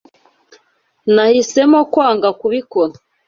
Nahisemo kwanga kubikora.